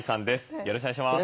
よろしくお願いします。